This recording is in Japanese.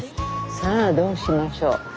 さあどうしましょう。